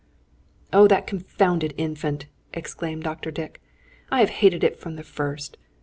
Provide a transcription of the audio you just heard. "Oh, that confounded Infant!" exclaimed Dr. Dick. "I have hated it from the first!